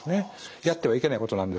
やってはいけないことなんですけども。